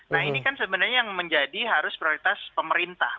nah ini kan sebenarnya yang menjadi harus prioritas pemerintah